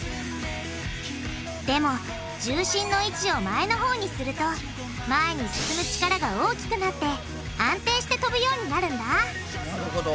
でも重心の位置を前のほうにすると前に進む力が大きくなって安定して飛ぶようになるんだなるほど。